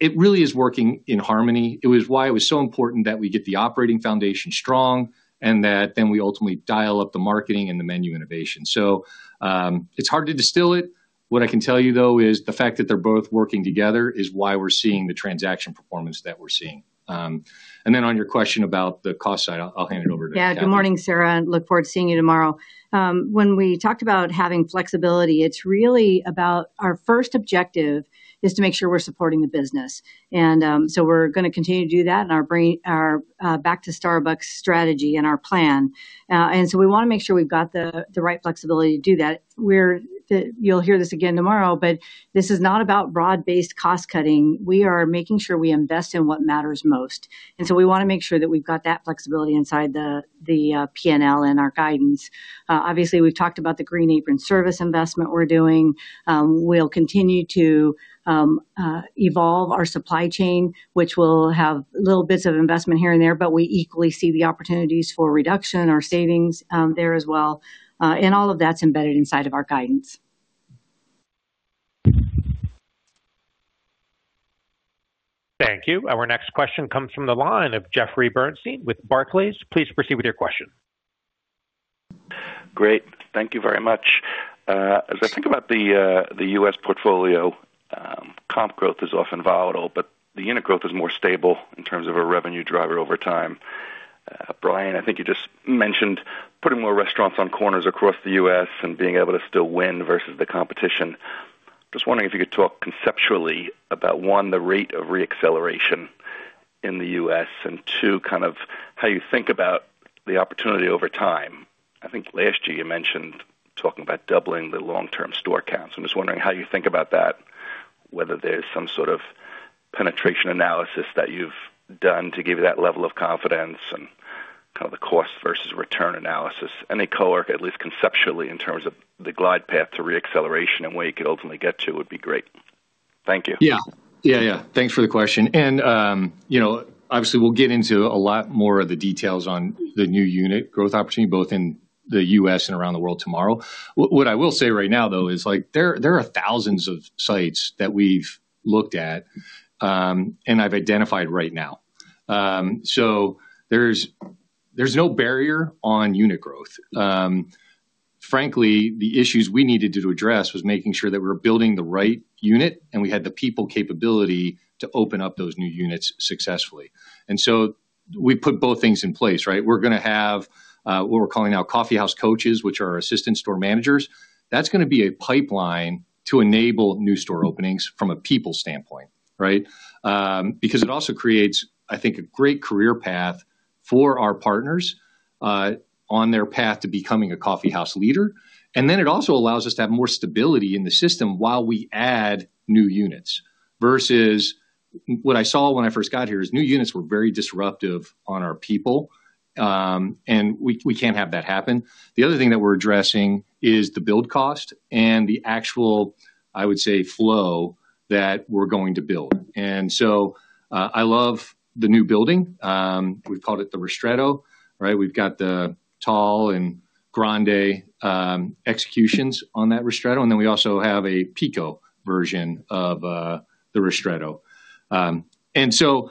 S3: it really is working in harmony. It was why it was so important that we get the operating foundation strong and that then we ultimately dial up the marketing and the menu innovation. So, it's hard to distill it.... What I can tell you, though, is the fact that they're both working together is why we're seeing the transaction performance that we're seeing. And then on your question about the cost side, I'll hand it over to Cathy.
S11: Yeah, good morning, Sara. Look forward to seeing you tomorrow. When we talked about having flexibility, it's really about our first objective is to make sure we're supporting the business. And so we're going to continue to do that in our Back to Starbucks strategy and our plan. And so we want to make sure we've got the right flexibility to do that. You'll hear this again tomorrow, but this is not about broad-based cost cutting. We are making sure we invest in what matters most, and so we want to make sure that we've got that flexibility inside the PNL and our guidance. Obviously, we've talked about the Green Apron Service investment we're doing. We'll continue to evolve our supply chain, which will have little bits of investment here and there, but we equally see the opportunities for reduction or savings there as well. And all of that's embedded inside of our guidance.
S1: Thank you. Our next question comes from the line of Jeffrey Bernstein with Barclays. Please proceed with your question.
S12: Great. Thank you very much. As I think about the, the U.S. portfolio, comp growth is often volatile, but the unit growth is more stable in terms of a revenue driver over time. Brian, I think you just mentioned putting more restaurants on corners across the U.S. and being able to still win versus the competition. Just wondering if you could talk conceptually about, one, the rate of re-acceleration in the U.S., and two, kind of how you think about the opportunity over time. I think last year you mentioned talking about doubling the long-term store counts. I'm just wondering how you think about that, whether there's some sort of penetration analysis that you've done to give you that level of confidence and kind of the cost versus return analysis, any color, at least conceptually, in terms of the glide path to re-acceleration and where you could ultimately get to would be great. Thank you.
S3: Yeah. Yeah, yeah. Thanks for the question. And, you know, obviously, we'll get into a lot more of the details on the new unit growth opportunity, both in the US and around the world tomorrow. What I will say right now, though, is like, there are thousands of sites that we've looked at, and I've identified right now. So there's no barrier on unit growth. Frankly, the issues we needed to address was making sure that we were building the right unit and we had the people capability to open up those new units successfully. And so we put both things in place, right? We're going to have what we're calling now coffee house coaches, which are assistant store managers. That's going to be a pipeline to enable new store openings from a people standpoint, right? Because it also creates, I think, a great career path for our partners on their path to becoming a coffeehouse leader. And then it also allows us to have more stability in the system while we add new units. Versus what I saw when I first got here, is new units were very disruptive on our people, and we can't have that happen. The other thing that we're addressing is the build cost and the actual, I would say, flow that we're going to build. And so, I love the new building, we've called it the Ristretto, right? We've got the Tall and Grande executions on that Ristretto, and then we also have a Pico version of the Ristretto. And so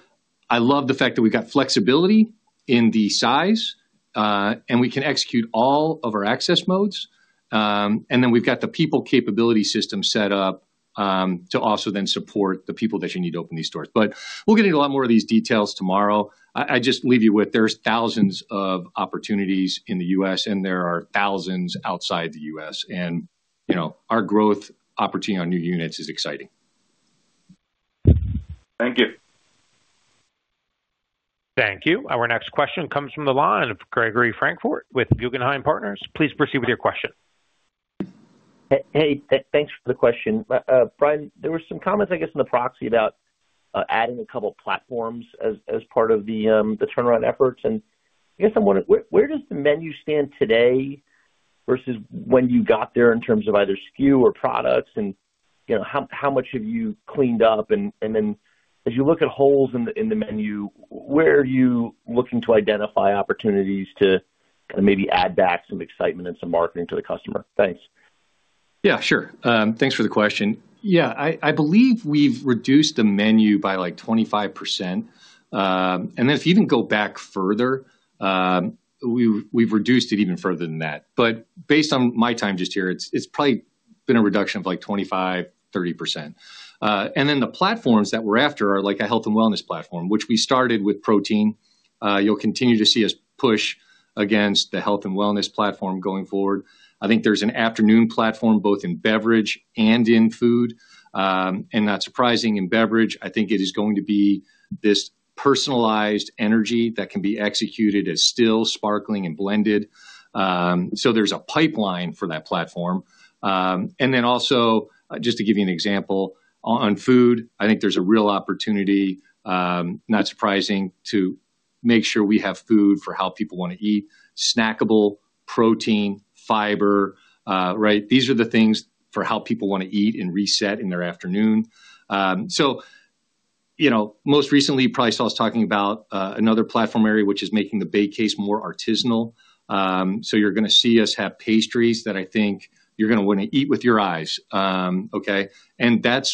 S3: I love the fact that we've got flexibility in the size, and we can execute all of our access modes. And then we've got the people capability system set up to also then support the people that you need to open these stores. But we'll get into a lot more of these details tomorrow. I, I just leave you with, there's thousands of opportunities in the U.S., and there are thousands outside the U.S., and, you know, our growth opportunity on new units is exciting.
S12: Thank you.
S1: Thank you. Our next question comes from the line of Gregory Francfort with Guggenheim Partners. Please proceed with your question.
S13: Hey, thanks for the question. Brian, there were some comments, I guess, in the proxy about adding a couple of platforms as part of the turnaround efforts, and I guess I'm wondering, where does the menu stand today versus when you got there in terms of either SKU or products, and, you know, how much have you cleaned up? And then as you look at holes in the menu, where are you looking to identify opportunities to kind of maybe add back some excitement and some marketing to the customer? Thanks.
S3: Yeah, sure. Thanks for the question. Yeah, I believe we've reduced the menu by, like, 25%. And then if you even go back further, we've reduced it even further than that. But based on my time just here, it's probably been a reduction of, like, 25-30%. And then the platforms that we're after are like a health and wellness platform, which we started with protein. You'll continue to see us push against the health and wellness platform going forward. I think there's an afternoon platform, both in beverage and in food. And not surprising in beverage, I think it is going to be this personalized energy that can be executed as still sparkling and blended. So there's a pipeline for that platform. And then also, just to give you an example, on food, I think there's a real opportunity, not surprising, to make sure we have food for how people want to eat. Snackable, protein, fiber, right? These are the things for how people want to eat and reset in their afternoon. So, you know, most recently, you probably saw us talking about another platform area, which is making the bakery case more artisanal. So you're going to see us have pastries that I think you're going to want to eat with your eyes. Okay? And that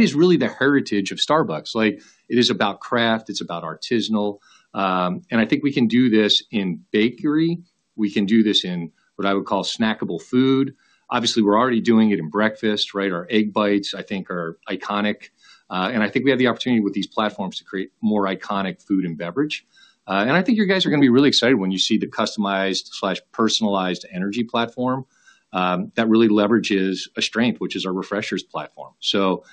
S3: is really the heritage of Starbucks. Like, it is about craft, it's about artisanal. And I think we can do this in bakery. We can do this in what I would call snackable food. Obviously, we're already doing it in breakfast, right? Our Egg Bites, I think, are iconic. And I think we have the opportunity with these platforms to create more iconic food and beverage. And I think you guys are going to be really excited when you see the customized/personalized energy platform that really leverages a strength, which is our Refreshers platform. So,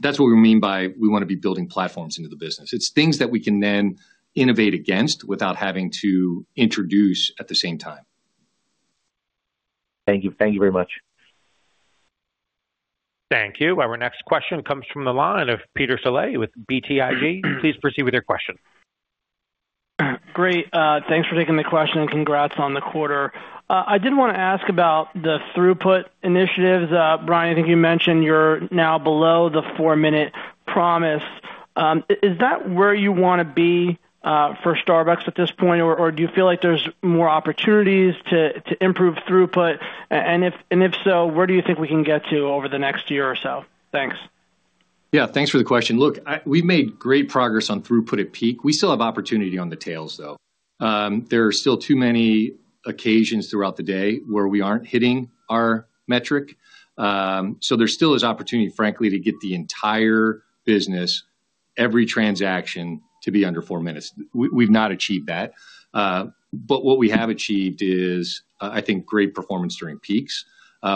S3: that's what we mean by we want to be building platforms into the business. It's things that we can then innovate against without having to introduce at the same time.
S13: Thank you. Thank you very much.
S1: Thank you. Our next question comes from the line of Peter Saleh with BTIG. Please proceed with your question.
S14: Great, thanks for taking the question, and congrats on the quarter. I did want to ask about the throughput initiatives. Brian, I think you mentioned you're now below the 4-minute promise. Is that where you want to be for Starbucks at this point, or do you feel like there's more opportunities to improve throughput? And if so, where do you think we can get to over the next year or so? Thanks.
S3: Yeah, thanks for the question. Look, we've made great progress on throughput at peak. We still have opportunity on the tails, though. There are still too many occasions throughout the day where we aren't hitting our metric. So there still is opportunity, frankly, to get the entire business, every transaction to be under four minutes. We've not achieved that. But what we have achieved is, I think, great performance during peaks,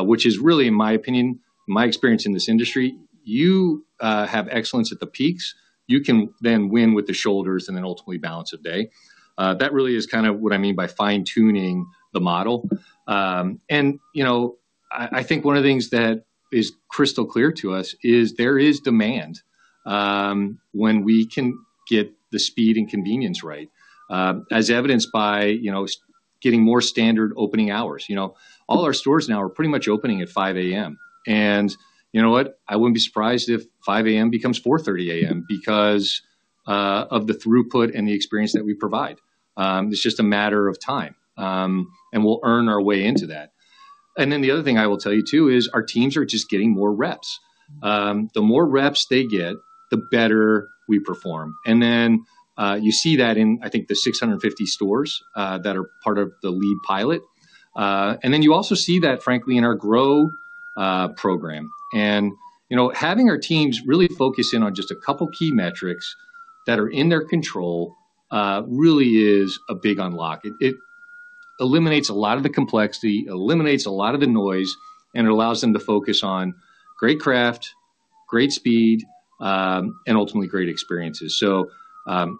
S3: which is really, in my opinion, my experience in this industry, you have excellence at the peaks. You can then win with the shoulders and then ultimately balance a day. That really is kind of what I mean by fine-tuning the model. You know, I think one of the things that is crystal clear to us is there is demand, when we can get the speed and convenience right, as evidenced by, you know, getting more standard opening hours. You know, all our stores now are pretty much opening at 5:00 A.M. And you know what? I wouldn't be surprised if 5:00 A.M. becomes 4:30 A.M. because of the throughput and the experience that we provide. It's just a matter of time, and we'll earn our way into that. And then the other thing I will tell you, too, is our teams are just getting more reps. The more reps they get, the better we perform. And then, you see that in, I think, the 650 stores that are part of the lead pilot. And then you also see that, frankly, in our Grow program. You know, having our teams really focus in on just a couple key metrics that are in their control really is a big unlock. It eliminates a lot of the complexity, eliminates a lot of the noise, and it allows them to focus on great craft, great speed, and ultimately, great experiences. So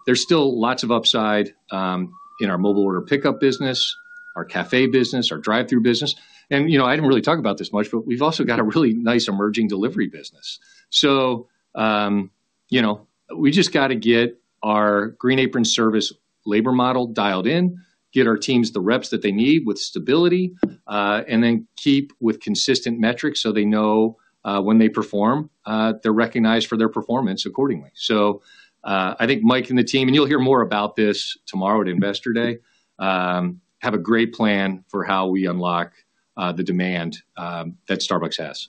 S3: there's still lots of upside in our mobile order pickup business, our cafe business, our drive-thru business. You know, I didn't really talk about this much, but we've also got a really nice emerging delivery business. So, you know, we just got to get our Green Apron Service labor model dialed in, get our teams the reps that they need with stability, and then keep with consistent metrics so they know, when they perform, they're recognized for their performance accordingly. So, I think Mike and the team, and you'll hear more about this tomorrow at Investor Day, have a great plan for how we unlock, the demand, that Starbucks has.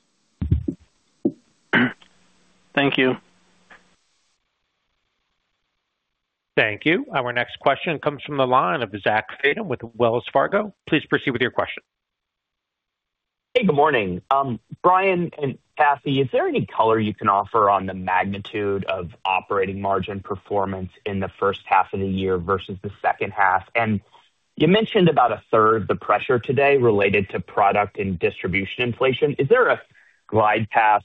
S14: Thank you.
S1: Thank you. Our next question comes from the line of Zach Fadem with Wells Fargo. Please proceed with your question.
S15: Hey, good morning. Brian and Kathy, is there any color you can offer on the magnitude of operating margin performance in the first half of the year versus the second half? You mentioned about a third of the pressure today related to product and distribution inflation. Is there a glide path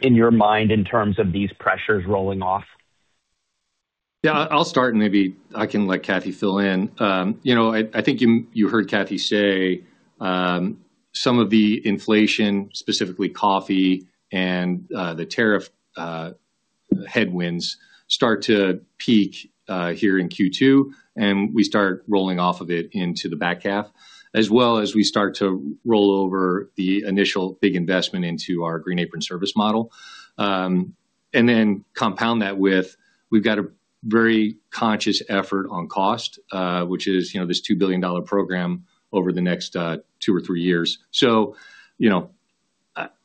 S15: in your mind in terms of these pressures rolling off?
S3: Yeah, I'll start, and maybe I can let Cathy fill in. You know, I think you heard Cathy say some of the inflation, specifically coffee and the tariff headwinds, start to peak here in Q2, and we start rolling off of it into the back half, as well as we start to roll over the initial big investment into our Green Apron Service model. And then compound that with, we've got a very conscious effort on cost, which is, you know, this $2 billion program over the next two or three years. So, you know,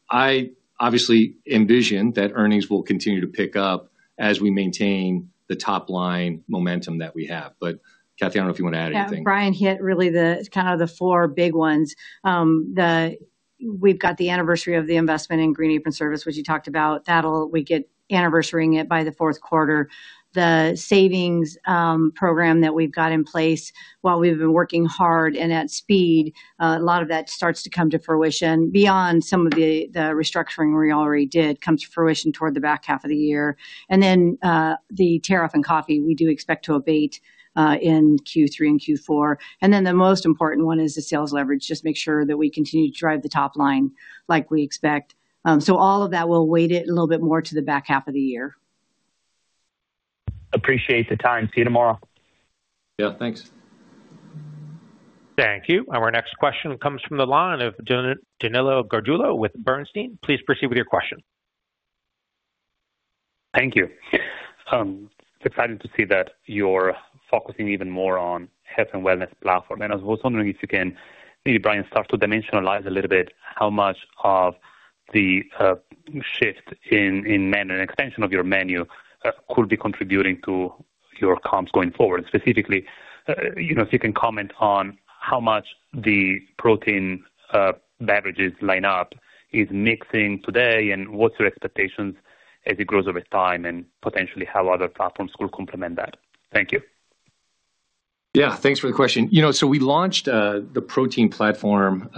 S3: I obviously envision that earnings will continue to pick up as we maintain the top-line momentum that we have. But Cathy, I don't know if you want to add anything.
S11: Yeah, Brian hit really the kind of the four big ones. The—we've got the anniversary of the investment in Green Apron Service, which you talked about. That'll—we get—anniversarying it by the fourth quarter. The savings program that we've got in place while we've been working hard and at speed, a lot of that starts to come to fruition beyond some of the restructuring we already did, comes to fruition toward the back half of the year. And then, the tariff and coffee, we do expect to abate in Q3 and Q4. And then the most important one is the sales leverage, just make sure that we continue to drive the top line like we expect. So all of that will weight it a little bit more to the back half of the year.
S15: Appreciate the time. See you tomorrow.
S3: Yeah, thanks.
S1: Thank you. Our next question comes from the line of Danilo Gargiulo with Bernstein. Please proceed with your question.
S16: Thank you. It's exciting to see that you're focusing even more on health and wellness platform. I was wondering if you can, maybe, Brian, start to dimensionalize a little bit how much of the shift in menu, and extension of your menu, could be contributing to your comps going forward. Specifically, you know, if you can comment on how much the protein beverages line up is mixing today, and what's your expectations as it grows over time, and potentially how other platforms will complement that? Thank you.
S3: Yeah, thanks for the question. You know, so we launched the protein platform,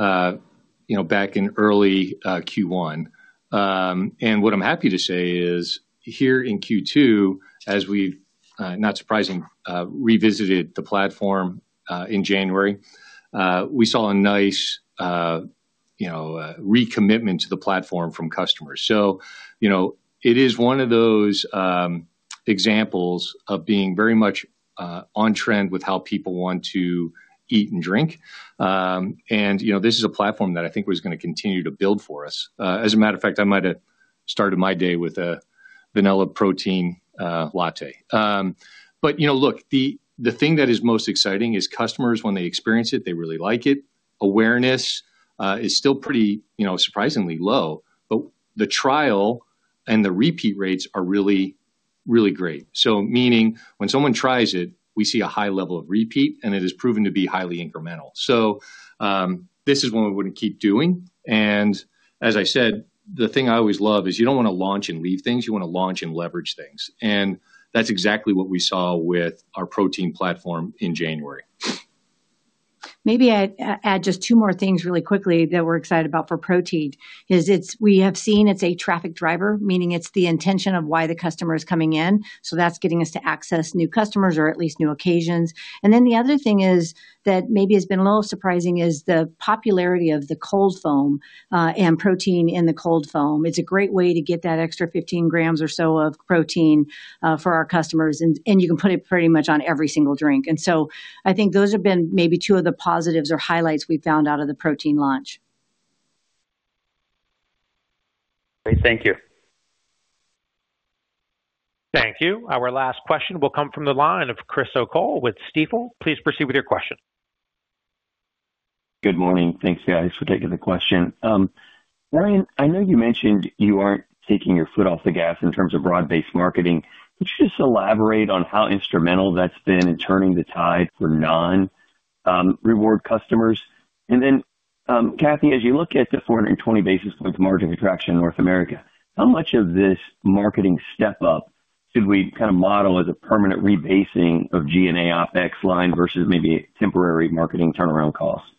S3: you know, back in early Q1. And what I'm happy to say is, here in Q2, as we, not surprising, revisited the platform in January, we saw a nice, you know, recommitment to the platform from customers. So, you know, it is one of those examples of being very much on trend with how people want to eat and drink. And, you know, this is a platform that I think was going to continue to build for us. As a matter of fact, I might have started my day with a Vanilla Protein Latte. But, you know, look, the thing that is most exciting is customers, when they experience it, they really like it. Awareness is still pretty, you know, surprisingly low, but the trial and the repeat rates are really, really great. So meaning, when someone tries it, we see a high level of repeat, and it has proven to be highly incremental. So, this is one we're going to keep doing. And as I said, the thing I always love is you don't want to launch and leave things, you want to launch and leverage things. And that's exactly what we saw with our protein platform in January.
S11: Maybe I'd add just two more things really quickly that we're excited about for protein: it's—we have seen it's a traffic driver, meaning it's the intention of why the customer is coming in, so that's getting us to access new customers or at least new occasions. And then the other thing is that maybe has been a little surprising is the popularity of the Cold Foam and protein in the Cold Foam. It's a great way to get that extra 15 grams or so of protein for our customers, and you can put it pretty much on every single drink. And so I think those have been maybe two of the positives or highlights we found out of the protein launch.
S16: Great. Thank you.
S1: Thank you. Our last question will come from the line of Chris O'Cull with Stifel. Please proceed with your question.
S17: Good morning. Thanks, guys, for taking the question. Brian, I know you mentioned you aren't taking your foot off the gas in terms of broad-based marketing. Could you just elaborate on how instrumental that's been in turning the tide for non-Rewards customers? And then, Cathy, as you look at the 420 basis points margin contraction in North America, how much of this marketing step up should we kind of model as a permanent rebasing of G&A OpEx line versus maybe temporary marketing turnaround costs?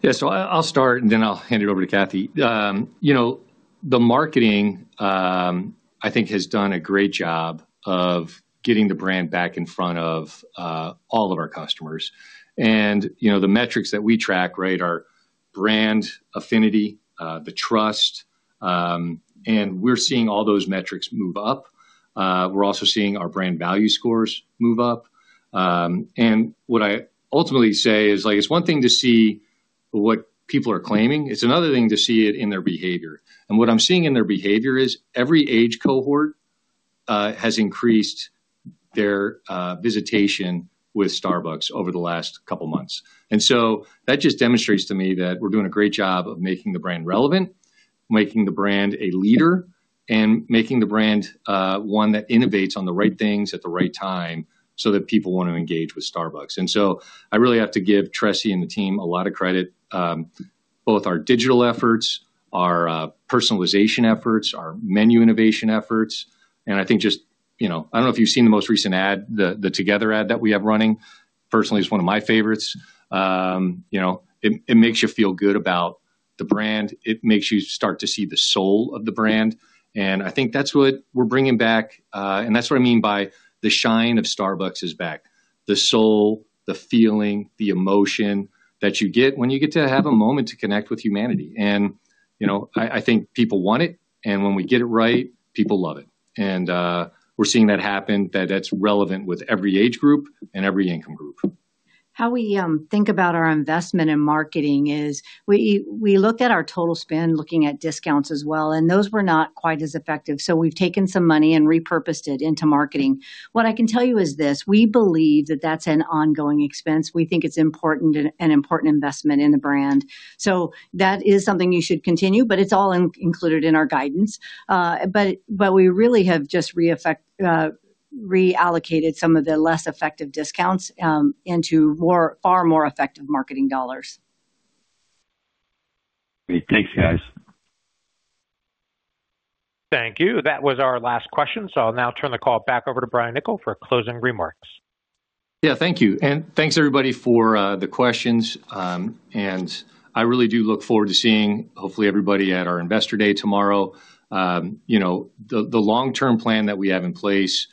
S3: Yeah, so I'll start and then I'll hand it over to Cathy. You know, the marketing, I think, has done a great job of getting the brand back in front of all of our customers. You know, the metrics that we track, right, are brand affinity, the trust, and we're seeing all those metrics move up. We're also seeing our brand value scores move up. And what I ultimately say is, like, it's one thing to see what people are claiming, it's another thing to see it in their behavior. And what I'm seeing in their behavior is every age cohort has increased their visitation with Starbucks over the last couple of months. And so that just demonstrates to me that we're doing a great job of making the brand relevant, making the brand a leader, and making the brand one that innovates on the right things at the right time so that people want to engage with Starbucks. And so I really have to give Tressie and the team a lot of credit, both our digital efforts, our personalization efforts, our menu innovation efforts, and I think just, you know... I don't know if you've seen the most recent ad, the Together ad that we have running. Personally, it's one of my favorites. You know, it makes you feel good about the brand. It makes you start to see the soul of the brand, and I think that's what we're bringing back, and that's what I mean by the shine of Starbucks is back. The soul, the feeling, the emotion that you get when you get to have a moment to connect with humanity. You know, I think people want it, and when we get it right, people love it. We're seeing that happen, that that's relevant with every age group and every income group.
S11: How we think about our investment in marketing is we looked at our total spend, looking at discounts as well, and those were not quite as effective. So we've taken some money and repurposed it into marketing. What I can tell you is this: we believe that that's an ongoing expense. We think it's important, an important investment in the brand. So that is something you should continue, but it's all included in our guidance. But we really have just reallocated some of the less effective discounts into far more effective marketing dollars.
S17: Great. Thanks, guys.
S1: Thank you. That was our last question, so I'll now turn the call back over to Brian Niccol for closing remarks.
S3: Yeah, thank you. And thanks, everybody, for the questions. And I really do look forward to seeing, hopefully, everybody at our Investor Day tomorrow. You know, the long-term plan that we have in place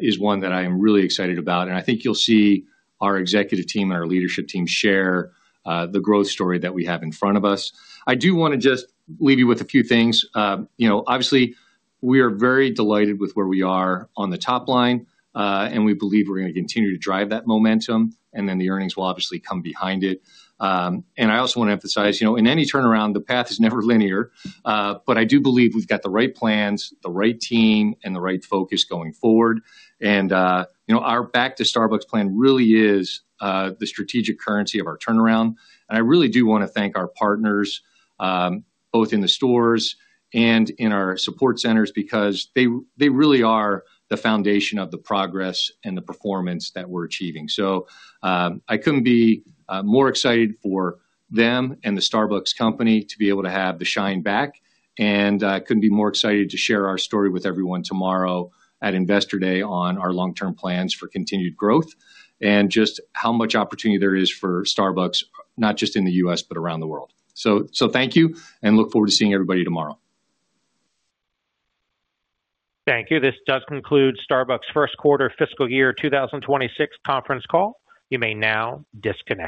S3: is one that I am really excited about, and I think you'll see our executive team and our leadership team share the growth story that we have in front of us. I do want to just leave you with a few things. You know, obviously, we are very delighted with where we are on the top line, and we believe we're going to continue to drive that momentum, and then the earnings will obviously come behind it. I also want to emphasize, you know, in any turnaround, the path is never linear, but I do believe we've got the right plans, the right team, and the right focus going forward. You know, our Back to Starbucks plan really is the strategic currency of our turnaround. I really do want to thank our partners, both in the stores and in our support centers, because they, they really are the foundation of the progress and the performance that we're achieving. So, I couldn't be more excited for them and the Starbucks company to be able to have the shine back, and I couldn't be more excited to share our story with everyone tomorrow at Investor Day on our long-term plans for continued growth and just how much opportunity there is for Starbucks, not just in the U.S., but around the world. So, thank you, and look forward to seeing everybody tomorrow.
S1: Thank you. This does conclude Starbucks' first quarter fiscal year 2026 conference call. You may now disconnect.